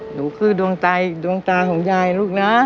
หนูคือดวงตายดวงตาของยายลูกนะ